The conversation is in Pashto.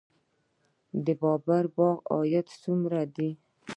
د باغ بابر عاید څومره دی؟